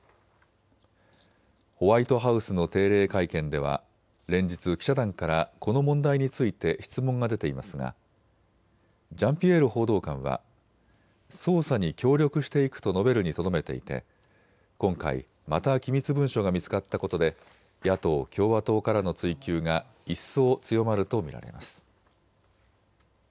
ホワイトハウスの定例会見では連日、記者団からこの問題について質問が出ていますがジャンピエール報道官は捜査に協力していくと述べるにとどめていて今回また機密文書が見つかったことで野党・共和党からの追及が一層強まると見られます。